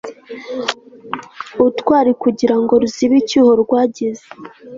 ubutwari kugirango ruzibe icyuho rwagize